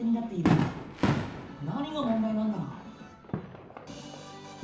何が問題なんだろう？